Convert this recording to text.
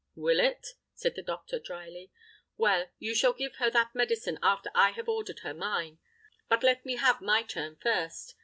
"Will it?" said the doctor, drily. "Well, you shall give her that medicine after I have ordered her mine. But let me have my turn first.